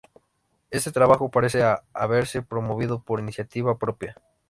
Este trabajo parece haberse promovido por iniciativa propia.